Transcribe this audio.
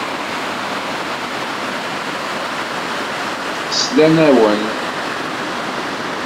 Slan-awen.